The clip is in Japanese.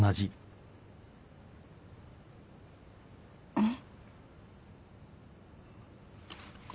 うん？